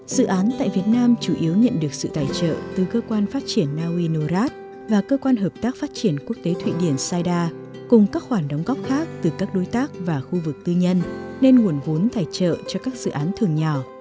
dự án tại việt nam chủ yếu nhận được sự tài trợ từ cơ quan phát triển nauinorat và cơ quan hợp tác phát triển quốc tế thụy điển saida cùng các khoản đóng góp khác từ các đối tác và khu vực tư nhân nên nguồn vốn tài trợ cho các dự án thường nhỏ